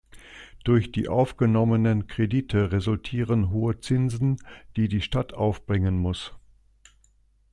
Durch die aufgenommenen Kredite resultieren hohe Zinsen, die die Stadt aufbringen muss.